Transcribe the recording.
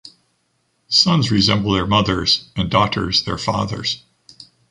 Sons resemble their mothers, and daughters their fathers.